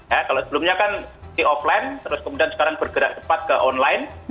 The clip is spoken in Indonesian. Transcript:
ya kalau sebelumnya kan di offline terus kemudian sekarang bergerak cepat ke online